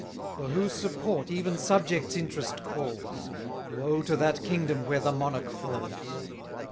For whose support even subjects' interest calls, Woe to that kingdom where the monarch falls!